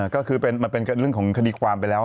ก็คือมันเป็นเรื่องของคดีความไปแล้ว